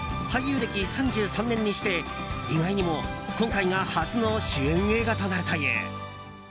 俳優歴３３年にして以外にも今回が初の主演映画となるという。